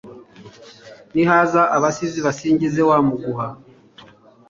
nihaza abasizi basingize uwamuguha